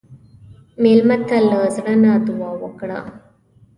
مېلمه ته له زړه نه دعا وکړه.